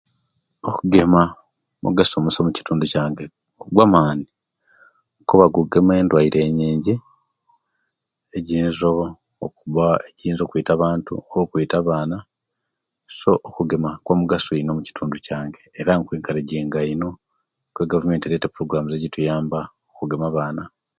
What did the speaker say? "Okugema mugaso musa mukitundu kyange ogwa'maani kuba kugema endwaire nyingi, ejiyinza okuba ejiyinza okwita abantu, okwita abaana; so okugema, kwamugaso ino mukitundu kyange era injumbira ino kuba egavumenti ereeta ""eprogramu"" ejituyamba okugema abaana. "